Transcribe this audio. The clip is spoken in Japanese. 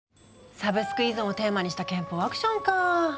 サブスク依存をテーマにした拳法アクションかぁ。